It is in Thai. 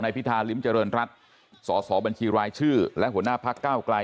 พิธาริมเจริญรัฐสอสอบัญชีรายชื่อและหัวหน้าพักเก้าไกล